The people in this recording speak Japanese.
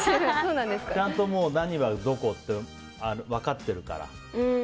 ちゃんと、何はどこって分かってるから。